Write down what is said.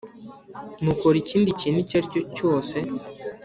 Mukora ikindi kintu icyo ari cyo cyose